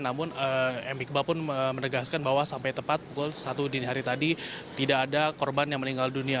namun m iqbal pun menegaskan bahwa sampai tepat pukul satu dini hari tadi tidak ada korban yang meninggal dunia